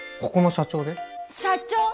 社長！？